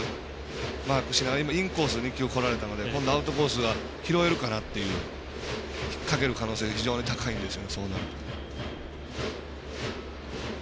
インコース２球こられたので今度アウトコースが拾えるからっていう引っ掛ける可能性非常に高いですね。